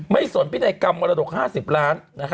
ไม่สนไปในกรรมมรดก๕๐ล้าน